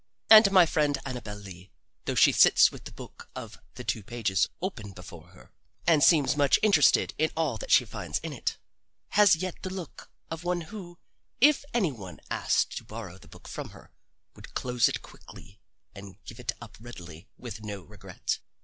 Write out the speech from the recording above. And my friend Annabel Lee, though she sits with the book of the two pages open before her and seems much interested in all that she finds in it, has yet the look of one who, if any one asked to borrow the book from her, would close it quickly and give it up readily with no regret.